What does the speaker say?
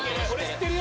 知ってる。